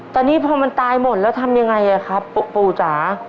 ตอนนี้พอมันตายหมดแล้วทำยังไงครับปู่จ๋า